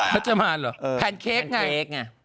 พจมานหรอแพนเค้กไง